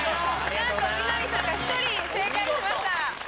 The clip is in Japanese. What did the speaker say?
なんと南さんが１人正解しました